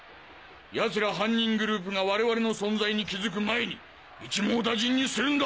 奴ら犯人グループが我々の存在に気づく前に一網打尽にするんだ！